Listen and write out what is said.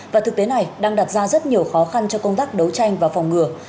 và thực tế này đang đặt ra rất nhiều khó khăn cho công tác đấu tranh và phòng ngừa